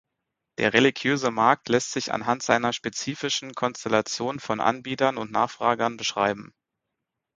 Der religiöse Markt lässt sich anhand seiner spezifischen Konstellation von Anbietern und Nachfragern beschreiben.